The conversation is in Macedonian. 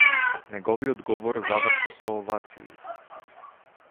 Неговиот говор заврши со овации.